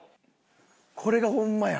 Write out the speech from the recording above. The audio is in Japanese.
これがホンマや。